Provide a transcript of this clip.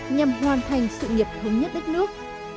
nhằm hoàn thành sự nghiệp hướng nhất đất nước